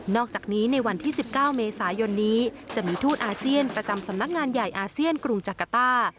อกจากนี้ในวันที่๑๙เมษายนนี้จะมีทูตอาเซียนประจำสำนักงานใหญ่อาเซียนกรุงจักรต้า